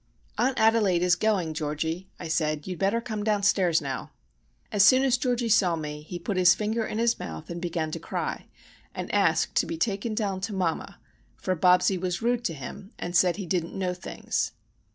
"Aunt Adelaide is going, Georgie," I said. "You had better come downstairs, now." As soon as Georgie saw me he put his finger in his mouth and began to cry and asked to be taken down to mamma, for Bobsie was rude to him and said he didn't know things.